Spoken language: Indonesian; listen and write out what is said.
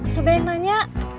sebel yang nanya